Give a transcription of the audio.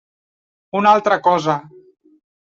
Una altra cosa.